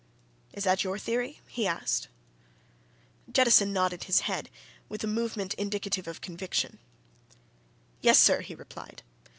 "Is that your theory?" he asked. Jettison nodded his head, with a movement indicative of conviction. "Yes, sir!" he replied.